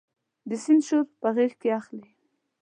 د سیند شور په غیږ کې اخلي